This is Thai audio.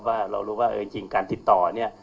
ว่าเรารู้ว่าจริงการติดต่อเนี่ย